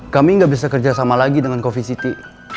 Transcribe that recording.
kami nggak bisa kerja sama lagi dengan coffee city